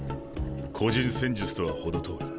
個人戦術とは程遠い。